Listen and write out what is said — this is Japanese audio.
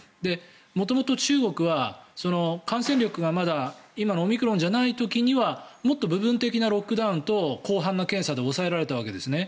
元々、中国は感染力がまだ今のオミクロンじゃない時にはもっと部分的なロックダウンと広範な検査で抑えられたわけですね。